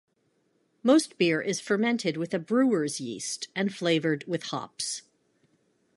Most beer is fermented with a brewer's yeast and flavoured with hops.